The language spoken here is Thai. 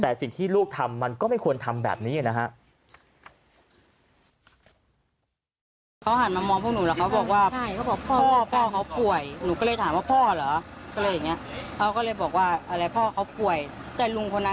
แต่สิ่งที่ลูกทำมันก็ไม่ควรทำแบบนี้นะฮะ